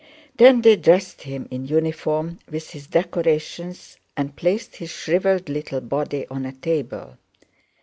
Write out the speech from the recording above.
Then they dressed him in uniform with his decorations and placed his shriveled little body on a table.